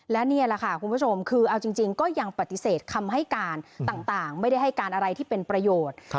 และนี่แหละค่ะคุณผู้ชมคือเอาจริงก็ยังปฏิเสธคำให้การต่างไม่ได้ให้การอะไรที่เป็นประโยชน์